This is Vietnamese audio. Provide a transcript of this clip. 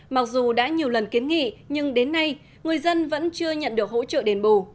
mặc dù đã nhiều lần kiến nghị nhưng đến nay người dân vẫn chưa nhận được hỗ trợ đền bù